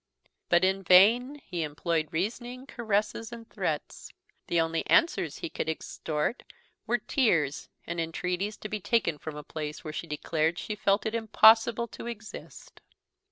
But in vain he employed reasoning, caresses, and threats; the only answers he could extort were tears and entreaties to be taken from a place where she declared she felt it impossible to exist.